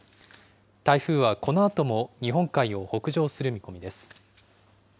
台風はこのあとも日本海を北上する見込みです。